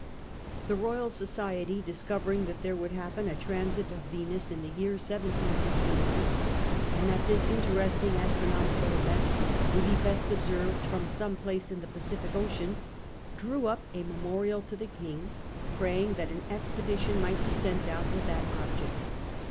The Eoyal Society, discovering that there would happen a transit of Venus in the year 1769, and that this interesting astronomical event would be best observed from some place in the Pacific Ocean, drew up a memorial to the king, praying that an expedition might be sent out with that object.